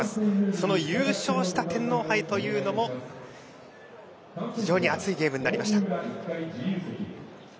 その優勝した天皇杯というのも非常に熱いゲームになりました。